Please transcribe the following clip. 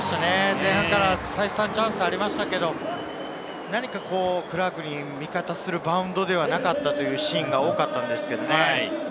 前半から再三、チャンスがありましたけれど、クラークに味方するバウンドではなかったシーンが多かったんですよね。